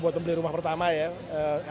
buat membeli rumah pertama ya